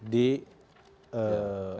di ntb tersebut